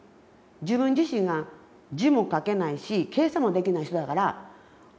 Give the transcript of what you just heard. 自分自身が字も書けないし計算もできない人だから分からないんです。